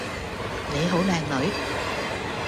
你好靚女